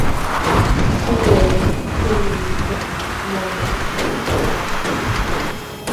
Guilherme, Eloísa, Mônica e Clara